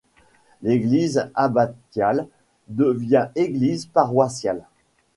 L'église abbatiale devient église paroissiale.